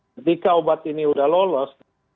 ketika obat ini sudah lolos artinya sudah memenuhi syarat